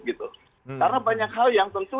karena banyak hal yang tentu